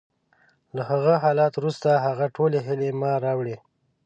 له هغه حالت وروسته، هغه ټولې هیلې ما راوړې